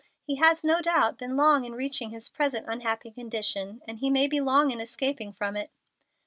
He has, no doubt, been long in reaching his present unhappy condition, and he may be long in escaping from it."